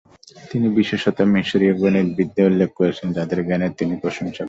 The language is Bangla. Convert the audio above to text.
তিনি বিশেষত মিশরীয় গণিতবিদদের উল্লেখ করেছেন, যাদের জ্ঞানের তিনি প্রশংসা করেছেন।